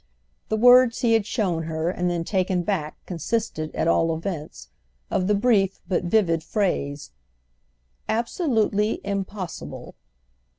The words he had shown her and then taken back consisted, at all events, of the brief but vivid phrase "Absolutely impossible."